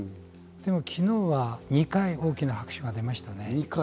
でも昨日は２回大きな拍手が出ましたね。